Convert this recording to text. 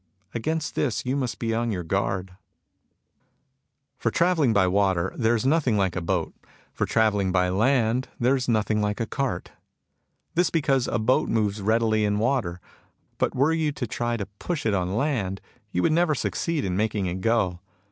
Against this you must be on your guard." BLIND CONSERVATISM T9 For travelling by water there is nothing like a boat. For travelling by land there is nothing like a cart. This because a boat moves readily in water ; but were you to try to push it on land you would never succeed in making it go.